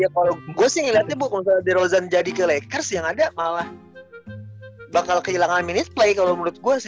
iya kalo gua sih ngeliatnya bu kalo misalnya drauzan jadi ke lakers yang ada malah bakal kehilangan minute play kalo menurut gua sih